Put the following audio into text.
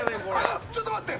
ちょっと待って！